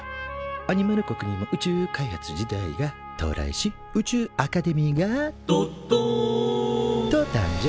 アニマル国にも宇宙開発時代が到来し宇宙アカデミーが「どっどん」と誕生。